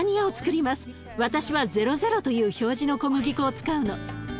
私は「ゼロゼロ」という表示の小麦粉を使うの。